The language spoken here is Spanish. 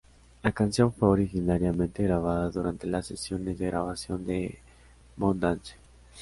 La canción fue originariamente grabada durante las sesiones de grabación de "Moondance".